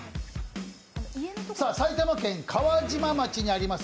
埼玉県川島町にあります